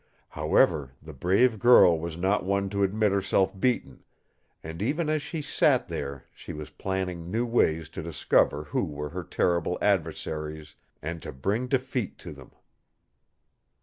However, the brave girl was not one to admit herself beaten, and even as she sat there she was planning new ways to discover who were her terrible adversaries and to bring defeat to them.